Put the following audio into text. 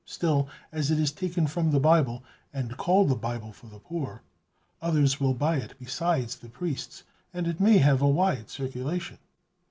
Still, as it is taken from the Bible, and called the 'Bible for the Poor,' others will buy it besides the priests, and it may have a wide circulation.